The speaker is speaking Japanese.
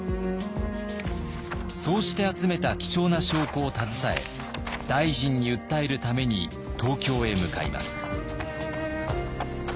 そうして集めた貴重な証拠を携え大臣に訴えるために東京へ向かいます。